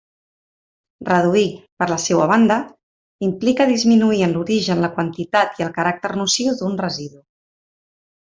Reduir, per la seua banda, implica disminuir en l'origen la quantitat i el caràcter nociu d'un residu.